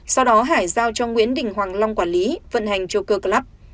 sau đó hải giao cho nguyễn đình hoàng long quản lý vận hành joker club